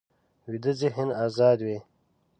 ویده ذهن ازاد وي